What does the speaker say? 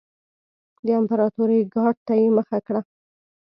د امپراتورۍ ګارډ ته یې مخه کړه.